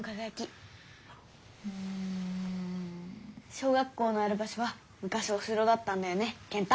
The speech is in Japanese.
小学校のある場所はむかしお城だったんだよね健太。